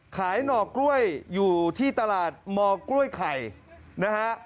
หน่อกล้วยอยู่ที่ตลาดมกล้วยไข่นะฮะ